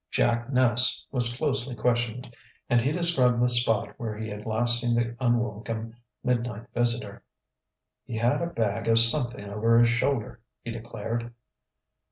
Jack Ness was closely questioned, and he described the spot where he had last seen the unwelcome midnight visitor. "He had a bag of something over his shoulder," he declared.